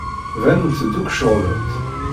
Banent-d akk ceɣlent.